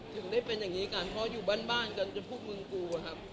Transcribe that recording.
ถึงได้เป็นอย่างงี้กันเพราะเราปะอยู่บ้านบ้านเค้าพูดขึ้นกันว่ามืนกลัวครับ